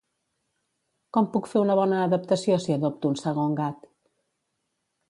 Com puc fer una bona adaptació si adopto un segon gat?